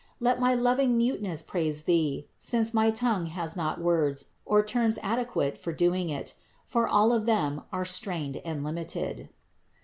Let my loving muteness praise Thee, since my tongue has not words or terms adequate for doing it; for all of them are strained and limited."